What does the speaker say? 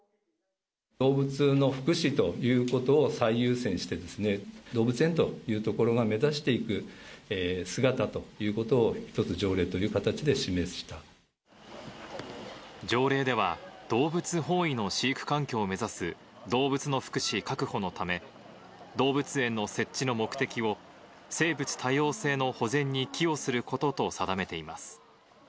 動物の福祉ということを最優先して、動物園という所が目指していく姿ということを、一つ条例という形条例では、動物本位の飼育環境を目指す動物の福祉確保のため、動物園の設置の目的を、生物多様性の保全に寄与することと定めています。